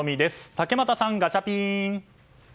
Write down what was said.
竹俣さん、ガチャピン！